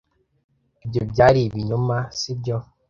ibyo byari ibinyoma, si byo?